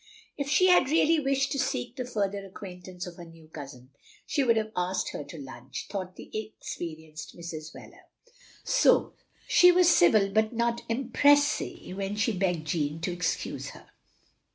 If she had really wished to seek the further ac qtiaintance of her new cousin she would have asked OP GROSVENOR SQUARE 103 her to lunch, thought the experienced Mrs. Wheler. So she was civil but not empressie when she begged Jeanne to excuse her.